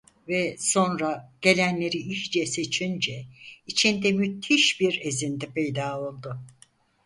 Ve sonra, gelenleri iyice seçince içinde müthiş bir ezinti peyda oldu.